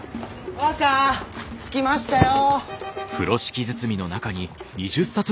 若着きましたよ！